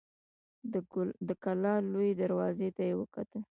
د کلا لويي دروازې ته يې وکتل.